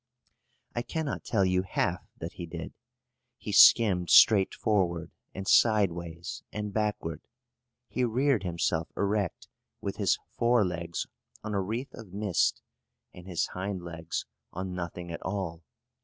I cannot tell you half that he did. He skimmed straight forward, and sideways, and backward. He reared himself erect, with his fore legs on a wreath of mist, and his hind legs on nothing at all.